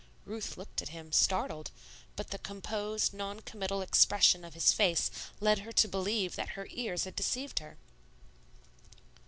Ruth looked at him, startled; but the composed, non committal expression of his face led her to believe that her ears had deceived her.